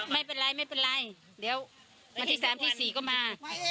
ไม่เป็นไรไม่เป็นไรเดี๋ยววันที่๓ที่๔ก็มา